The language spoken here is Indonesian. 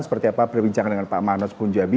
seperti apa perbincangan dengan pak manus punjabi